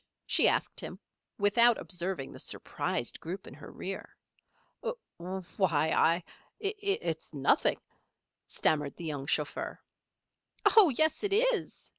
she asked him, without observing the surprised group in her rear. "Why I It's nothing," stammered the young chauffeur. "Oh, yes it is!"